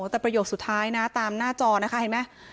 แต่ประโยคสุดท้ายนะตามหน้าจอนะคะเห็นไหม